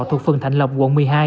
thuộc phần thạnh lộc quận một mươi hai